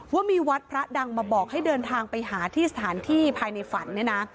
ว่ามีวัดพระดังมาบอกให้เดินทางไปหาที่สถานที่ภายในฝันเนี่ยนะ